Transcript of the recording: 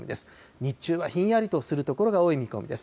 日中はひんやりとする所が多い見込みです。